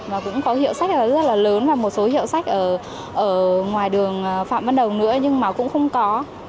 và cũng có hiệu sách rất là lớn và một số hiệu sách ở ngoài đường phạm văn đồng nữa nhưng mà cũng không có